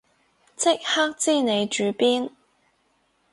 即刻知你住邊